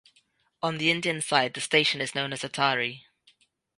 On the Indian side the station is known as Attari.